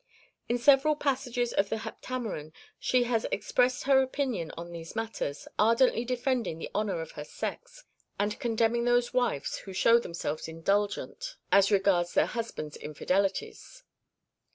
In several passages of the Heptameron she has expressed her opinion on these matters, ardently defending the honour of her sex and condemning those wives who show themselves indulgent as regards their husbands' infidelities.